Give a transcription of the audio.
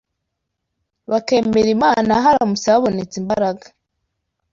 bakemera Imana haramutse habonetse imbaraga